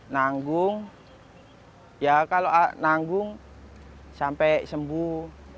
nanggung ya kalau nanggung sampai sembuh